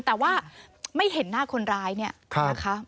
แต่ว่าไม่เห็นหน้าคนร้ายเนี่ยนะคะ